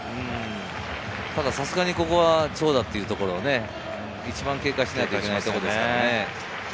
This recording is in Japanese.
さすがにここは長打というところもね、一番警戒しないといけないところですからね。